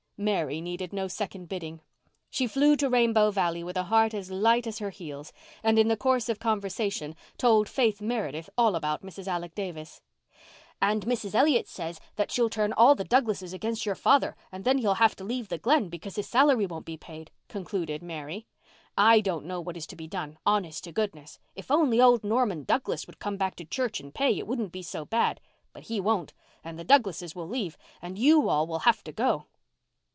Mary needed no second bidding. She flew to Rainbow Valley with a heart as light as her heels, and in the course of conversation told Faith Meredith all about Mrs. Alec Davis. "And Mrs. Elliott says that she'll turn all the Douglases against your father and then he'll have to leave the Glen because his salary won't be paid," concluded Mary. "I don't know what is to be done, honest to goodness. If only old Norman Douglas would come back to church and pay, it wouldn't be so bad. But he won't—and the Douglases will leave—and you all will have to go."